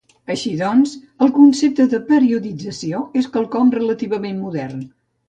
Així doncs, el concepte de periodització és quelcom relativament modern.